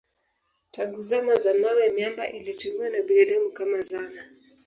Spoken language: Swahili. Tangu zama za mawe miamba ilitumiwa na binadamu kama zana.